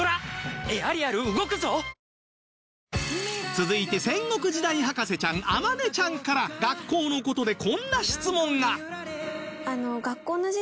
続いて戦国時代博士ちゃん天音ちゃんから学校の事でこんな質問がをしてるんですね。